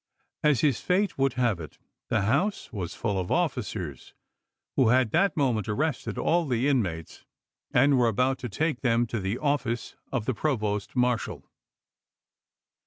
As his fate would have it, the house was full of officers who had that moment arrested all the inmates and were about to take them to the office of the provost marshal.